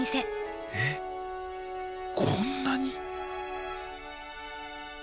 えっこんなに。